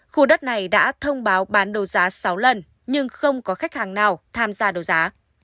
khu đất này đã thông báo bán đấu giá sáu lần nhưng không có khách hàng nào tham gia đấu giá